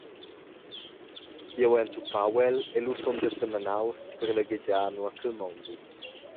Jeu hai entupau el e lu sundel semenaus per laghegiar nua ch’el mondi.